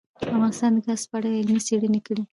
افغانستان د ګاز په اړه علمي څېړنې لري.